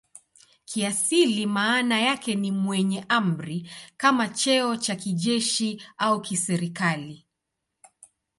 Kiasili maana yake ni "mwenye amri" kama cheo cha kijeshi au kiserikali.